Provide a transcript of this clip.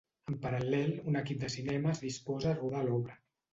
En paral·lel, un equip de cinema es disposa a rodar l'obra.